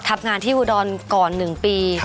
ทำงานที่อุดรก่อน๑ปี